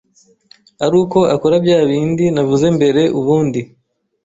aruko akora bya bindi navuze mbere ubundi